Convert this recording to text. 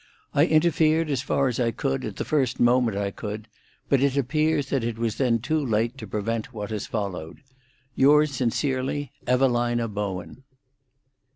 I interfered as far as I could, at the first moment I could, but it appears that it was then too late to prevent what has followed.—Yours sincerely, EVALINA BOWEN."